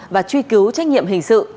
và truy cứu trách nhiệm hình sự